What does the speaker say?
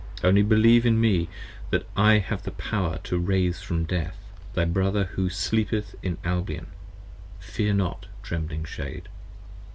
Only believe in me that I have power to raise from death 69 Thy Brother who Sleepeth in Albion: fear not, trembling Shade.